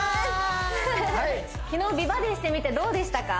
昨日美バディしてみてどうでしたか？